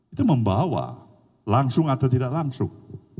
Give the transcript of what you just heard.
itu membawa langsung atau tidak langsung